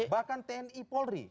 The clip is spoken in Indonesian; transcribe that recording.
bahkan tni polri